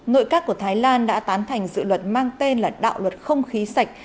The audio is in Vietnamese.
nội các của thái lan đã tán thành dự luật mang tên là đạo luật không khí sạch